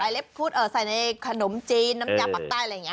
ใบเล็บครุดเอ่อใส่ในขนมจีนน้ำยาปั๊บใต้อะไรอย่างเงี้ย